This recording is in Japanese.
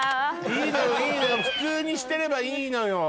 いいのよいいのよ普通にしてればいいのよ。